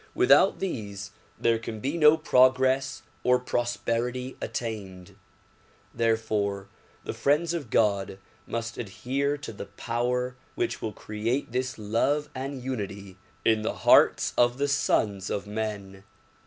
Without these there can be no progress or prosperity attained. Therefore the friends of God must adhere to the power which will create this love and unity in the hearts of the sons of men.